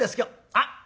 あっ！